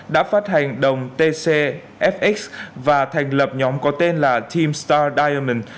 đã phát hành đồng tcfx và thành lập nhóm có tên là team star diamonds